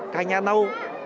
cả nhà nâu